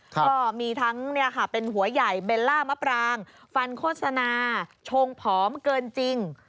ก็มีทั้งเป็นหัวใหญ่เบลล่ามะปรางฟันโฆษณาชงผอมเกินจริง